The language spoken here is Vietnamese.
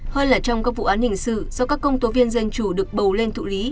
hơn là trong các vụ án hình sự do các công tố viên dân chủ được bầu lên thụ lý